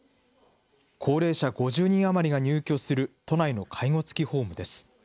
高齢者５０人余りが入居する、都内の介護付きホームです。